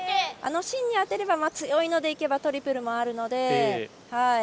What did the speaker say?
あの芯に当てれば強いのでいけばトリプルもあるので。